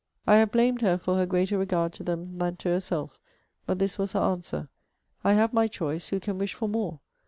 I have blamed her for her greater regard to them than to herself. But this was her answer; 'I have my choice, who can wish for more?